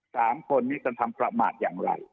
สามคนนี้กันทำประมาทอย่างไร